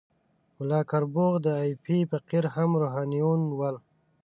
ملا کربوغه او ایپی فقیر هم روحانیون ول.